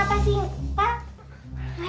bapak kenapa sih pak